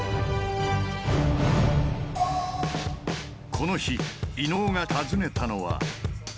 この日伊野尾が訪ねたのは。